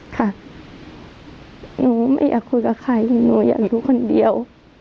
ถูขิไม่อยากคุยกับใครผมอยากรู้คนเดียว